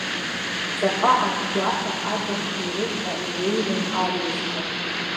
Ҵаҟа агәгәаҳәа абахәқәа ирылҟьа илеиуан арҩашқәа.